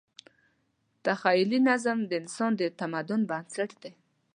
تخیلي نظم د انسان د تمدن بنسټ دی.